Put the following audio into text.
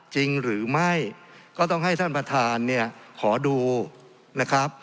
จริงหรือไม่ก็ต้องให้ท่านประธานเนี่ยขอดูนะครับ